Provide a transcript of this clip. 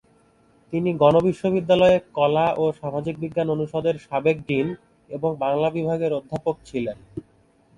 তিনি গণ বিশ্ববিদ্যালয়ে কলা ও সামাজিক বিজ্ঞান অনুষদের সাবেক ডীন এবং বাংলা বিভাগের অধ্যাপক ছিলেন।